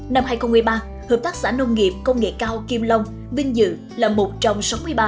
năm hai nghìn một mươi ba hợp tác xã nông nghiệp công nghệ cao kim long bình dương